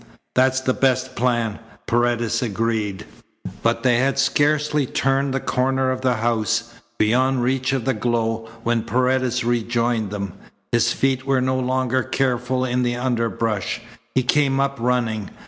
"That's the best plan," Paredes agreed. But they had scarcely turned the corner of the house, beyond reach of the glow, when Paredes rejoined them. His feet were no longer careful in the underbrush. He came up running.